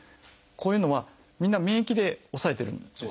こういうのはみんな免疫で抑えてるんですよね。